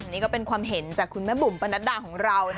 นี่ก็เป็นความเห็นจากคุณแม่บุ๋มปนัดดาของเรา